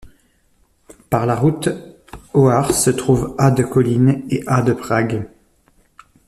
Par la route, Ohaře se trouve à de Kolín et à de Prague.